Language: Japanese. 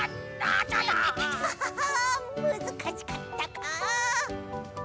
アハハむずかしかったか。